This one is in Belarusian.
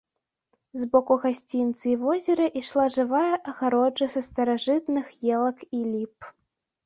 З боку гасцінца і возера ішла жывая агароджа са старажытных елак і ліп.